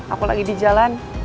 aku lagi di jalan